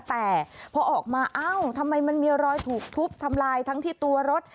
แต่พอออกมาเอ้าทำไมมันมีรอยถูกทุบทำลายทั้งที่ตัวรถ